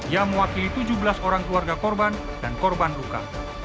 ia mewakili tujuh belas orang keluarga korban dan korban luka